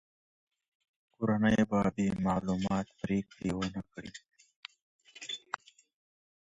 کورنۍ به بې معلوماته پريکړي ونه کړي.